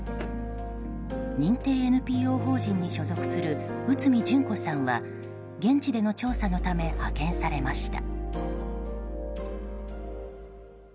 認定ＮＰＯ法人に所属する内海旬子さんは現地での調査のため派遣されました。